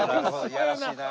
いやらしいな。